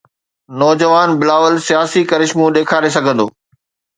نوجوان بلاول سياسي ڪرشمو ڏيکاري سگهندو؟